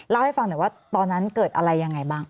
เล่าให้ฟังหน่อยว่าตอนนั้นเกิดอะไรยังไงบ้าง